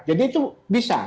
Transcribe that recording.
jadi itu bisa